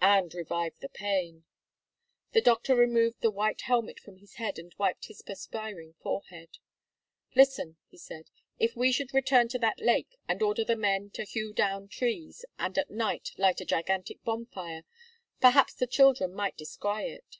"And revive the pain " The doctor removed the white helmet from his head and wiped his perspiring forehead. "Listen," he said; "if we should return to that lake and order the men to hew down trees and at night light a gigantic bonfire, perhaps the children might descry it."